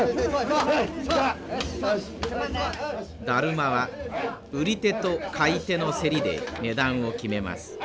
だるまは売り手と買い手の競りで値段を決めます。